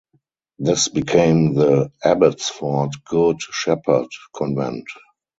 This became the Abbotsford Good Shepherd Convent.